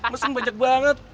mesin banyak banget